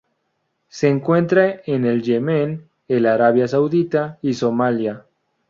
Se encuentra en el Yemen, el Arabia Saudita y Somalia.